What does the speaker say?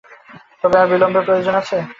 তবে আর বিলম্বে প্রয়ােজন কি?